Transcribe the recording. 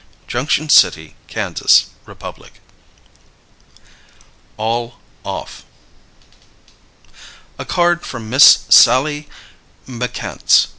Junction City (Kansas) Republic. ALL OFF. A Card from Miss Sallie McCants.